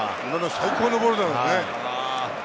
最高のボールだけどね。